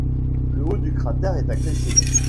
le haut du cratère est accessible